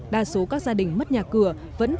đa số các gia đình mất nhà cửa